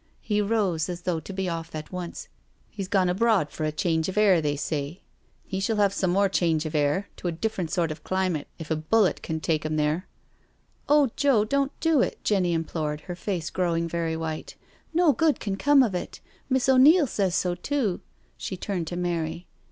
He rose as though to be off at once. " He's gone abroad for change of air, they say— hci shall have JOE'S SURRENDER 307 lore change of air, to a different sort of climate, illet can take 'im there " 'h Joe, don't do it," Jenny implored, her face .ng very white, " no good can come of it. Miss il says so too." She turned to Mary.